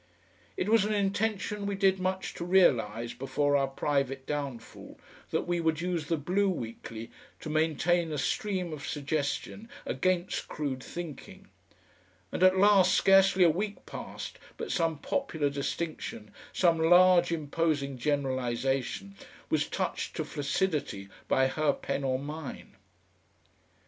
It was an intention we did much to realise before our private downfall, that we would use the BLUE WEEKLY to maintain a stream of suggestion against crude thinking, and at last scarcely a week passed but some popular distinction, some large imposing generalisation, was touched to flaccidity by her pen or mine....